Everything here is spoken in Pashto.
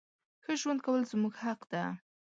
ښه ژوند کول زموږ حق ده.